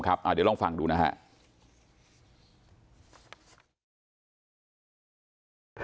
เดี๋ยวลองฟังดูนะครับ